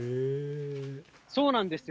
そうなんですよ。